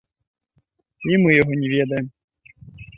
І мы яго не ведаем.